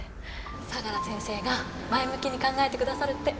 相良先生が前向きに考えてくださるって。